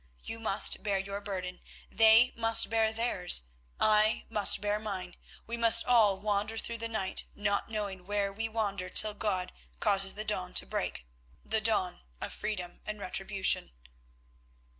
You must bear your burden, they must bear theirs, I must bear mine; we must all wander through the night not knowing where we wander till God causes the dawn to break, the dawn of freedom and retribution."